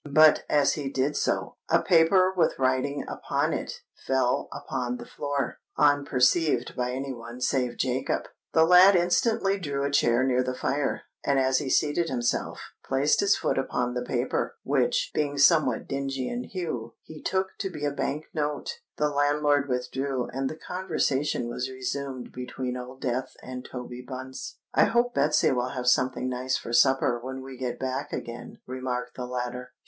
But, as he did so, a paper with writing upon it fell upon the floor, unperceived by any one save Jacob. The lad instantly drew a chair near the fire, and as he seated himself, placed his foot upon the paper, which, being somewhat dingy in hue, he took to be a bank note. The landlord withdrew; and the conversation was resumed between Old Death and Toby Bunce. "I hope Betsy will have something nice for supper when we get back again," remarked the latter.